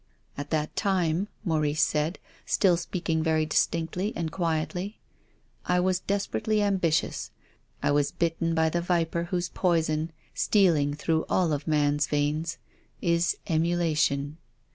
" At that time, " Maurice said, still speaking very distinctly and quietly, " I was desperately ambitious. I was bitten by the viper whose poi son, stealing through all a man's veins, is emula tion.